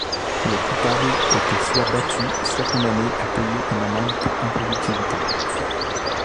Les coupables étaient soit battus soit condamnés à payer une amende pour improductivité.